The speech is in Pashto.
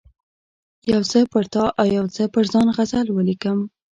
یو څه پر تا او یو څه پر ځان غزل ولیکم.